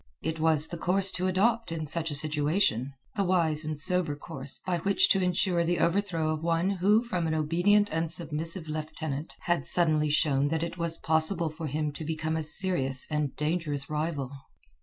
It was the course to adopt in such a situation, the wise and sober course by which to ensure the overthrow of one who from an obedient and submissive lieutenant had suddenly shown that it was possible for him to become a serious and dangerous rival.